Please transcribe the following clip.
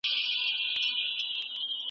شګوفو به اوربلونه نازولای `